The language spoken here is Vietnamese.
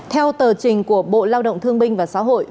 theo tờ trình của bộ lao động thương binh và xã hội